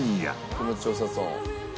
気持ちよさそう。